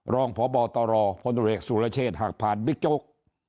รองพบตรพลศหากผ่านบิ๊กโจ๊ก